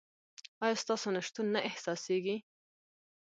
ایا ستاسو نشتون نه احساسیږي؟